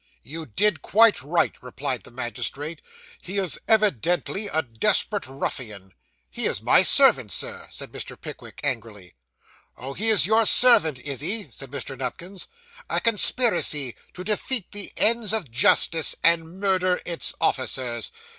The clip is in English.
'You did quite right,' replied the magistrate. 'He is evidently a desperate ruffian.' 'He is my servant, Sir,' said Mr. Pickwick angrily. 'Oh! he is your servant, is he?' said Mr. Nupkins. 'A conspiracy to defeat the ends of justice, and murder its officers.